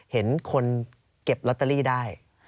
เห็นคนเก็บลอตเตอรี่ได้